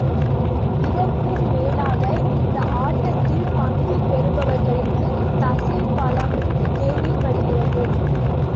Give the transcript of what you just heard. இதற்கும் மேலாக, இந்த ஆட்டத்தில் பங்கு பெறுபவர்களுக்குத் தசைப்பலமும் தேவைப்படுகிறது.